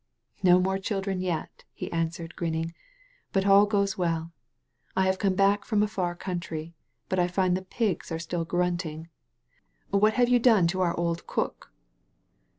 "No more children yet," he answered, grinning; "but all goes well. I have come back from a far country, but I find the pigs are still grunting. What have you done to our old cook?"